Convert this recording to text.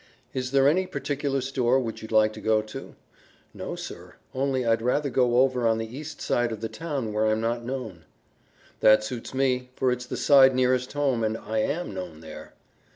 Is there any particular store which you'd like to go to?" "No, sir; only I'd rather go over on the east side of the town where I'm not known." "That suits me, for it's the side nearest home and I AM known there."